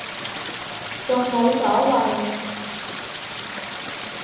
仲冇所謂